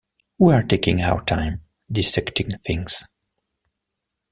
We're taking our time, dissecting things.